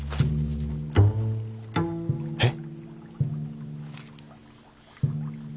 えっ。